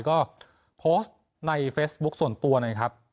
ก็โพสต์ในเฟซบุ๊คส่วนตัวนะครับ